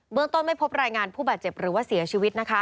เบื้องต้นไม่พบรายงานผู้บาดเจ็บหรือเสียชีวิต